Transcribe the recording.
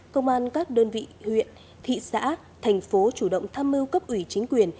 công an các đơn vị huyện thị xã thành phố chủ động tham mưu cấp ủy chính quyền